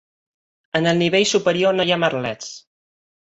En el nivell superior no hi ha merlets.